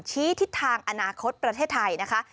ทิศทางอนาคตประเทศไทยนะคะ